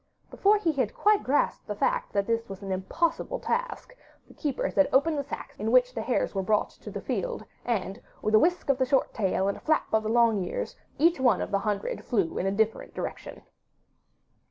Before he had quite grasped the fact that this was an impossible task, the keepers had opened the sacks in which the hares were brought to the field, and, with a whisk of the short tail and a flap of the long ears, each one of the hundred flew in a different direction.